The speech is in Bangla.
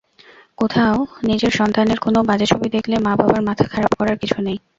কোথাও নিজেরসন্তানের কোনো বাজে ছবি দেখলে মা–বাবার মাথা খারাপ করার কিছু নেই।